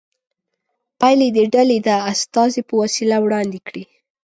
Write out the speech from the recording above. پایلې دې ډلې د استازي په وسیله وړاندې کړي.